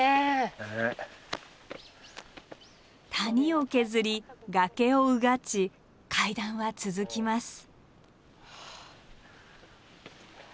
谷を削り崖をうがち階段は続きます。